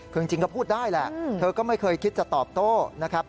คือจริงก็พูดได้แหละเธอก็ไม่เคยคิดจะตอบโต้นะครับ